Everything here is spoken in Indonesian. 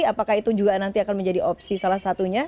apakah itu juga nanti akan menjadi opsi salah satunya